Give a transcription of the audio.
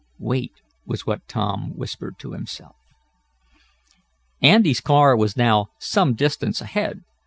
"Wait," was what Tom whispered to himself. Andy's car was now some distance ahead.